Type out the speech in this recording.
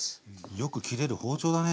よく切れる包丁だね。